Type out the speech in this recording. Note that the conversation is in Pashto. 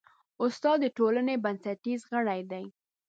استاد د ټولنې بنسټیز غړی دی.